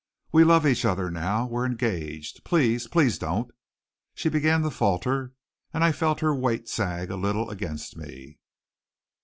We love each other now. We're engaged. Please please don't " She began to falter and I felt her weight sag a little against me.